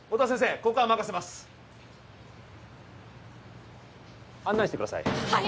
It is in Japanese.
ここは任せます案内してくださいはい！